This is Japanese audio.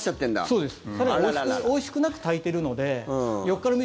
そうですね。